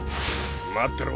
待ってろ。